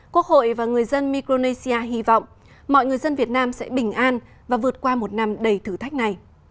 quốc hội và người dân micronesia hy vọng mọi người dân việt nam sẽ bình an và vượt qua một năm đầy thử thách này